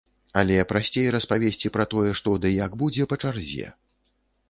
Але прасцей распавесці пра тое, што ды як будзе па чарзе.